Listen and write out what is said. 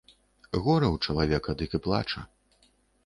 Гора ў чалавека, дык і плача.